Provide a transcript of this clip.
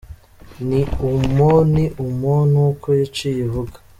Ni Oumoh, ni Oumoh!” n’uko yaciye avuga.